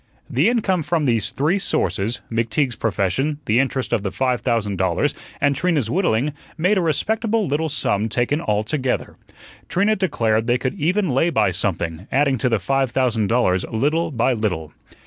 The income from these three sources, McTeague's profession, the interest of the five thousand dollars, and Trina's whittling, made a respectable little sum taken altogether. Trina declared they could even lay by something, adding to the five thousand dollars little by little.